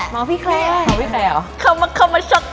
เมาท์พี่แคร่อะไรพี่แคร่เหรอ